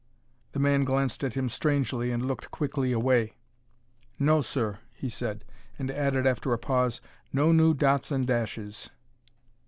The man glanced at him strangely and looked quickly away. "No, sir," he said. And added after a pause: "No new dots and dashes."